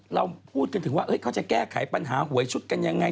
เราพูดกันถึงว่าเขาจะแก้ไขปัญหาหวยชุดกันยังไง